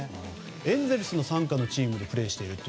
エンゼルスの傘下のチームでプレーしていると。